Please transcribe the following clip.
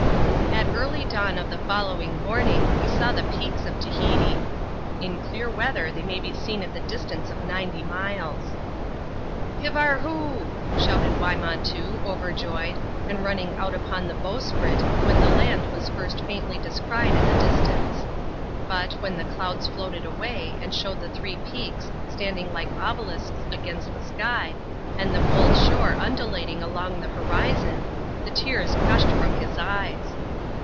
At early dawn of the following morning we saw the Peaks of Tahiti. In clear weather they may be seen at the distance of ninety miles. " Hivarhoo !" shouted Wymontoo, overjoyed, and running out upon the bowsprit when the land vras first faintly descried in the distance. But, when the clouds floated away, and showed the three peaks standing like obelisks against the sky, and the bold shore undulating along the horizon, the tears gushed from his eyes.